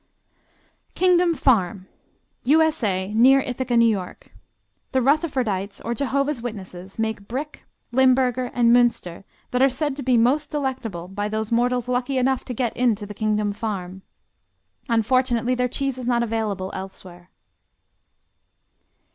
Kingdom Farm U.S.A, near Ithaca, N.Y. The Rutherfordites or Jehovah's Witnesses make Brick, Limburger and Münster that are said to be most delectable by those mortals lucky enough to get into the Kingdom Farm. Unfortunately their cheese is not available elsewhere.